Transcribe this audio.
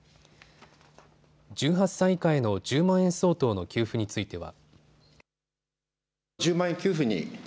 １８歳以下への１０万円相当の給付については。